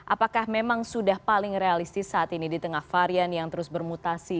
apakah memang sudah paling realistis saat ini di tengah varian yang terus bermutasi